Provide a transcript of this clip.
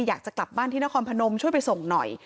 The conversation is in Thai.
อยากจะกลับบ้านที่นครพนมช่วยไปส่งหน่อย